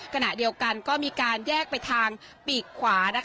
ขณะเดียวกันก็มีการแยกไปทางปีกขวา